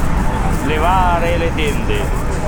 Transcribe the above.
Levare le tende.